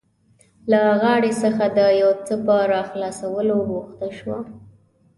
له غاړې څخه د یو څه په راخلاصولو بوخته شوه.